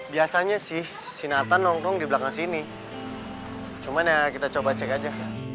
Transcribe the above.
biasanya sih sinathan nongkrong di belakang sini cuman ya kita coba cek aja